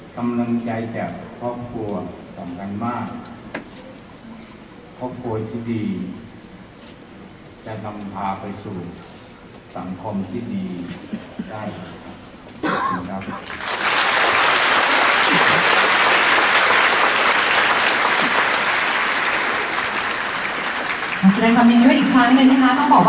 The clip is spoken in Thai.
กำลังใจแก่ครอบครัวสำคัญมากครอบครัวที่ดีจะนำพาไปสู่สังคมที่ดีได้นะครับ